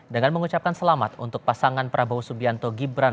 dengan mengucapkan selamat untuk pasangan prabowo